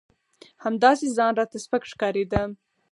همداسې ځان راته سپک ښکارېده.